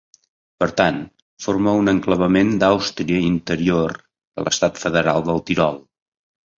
Per tant, forma un exclavament d'Àustria Interior de l'estat federal del Tirol.